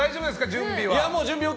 準備は。